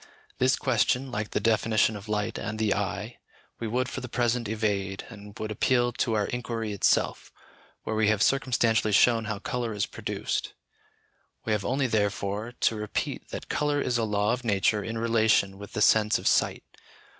This question, like the definition of light and the eye, we would for the present evade, and would appeal to our inquiry itself, where we have circumstantially shown how colour is produced. We have only therefore to repeat that colour is a law of nature in relation with the sense of sight.